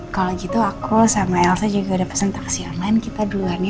kalau gitu aku sama elsa juga udah pesen taksi online kita duluan ya